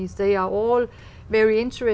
chào tạm biệt